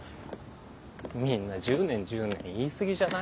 みんな１０年１０年言い過ぎじゃない？